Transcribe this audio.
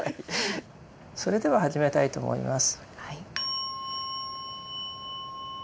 それでは始めたいと思います。